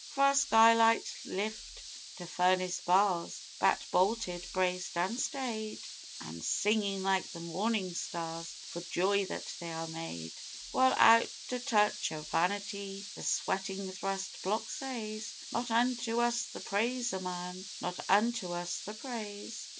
Fra' skylight lift to furnace bars, backed, bolted, braced an' stayed, An' singin' like the Mornin' Stars for joy that they are made; While, out o' touch o' vanity, the sweatin' thrust block says: "Not unto us the praise, or man not unto us the praise!"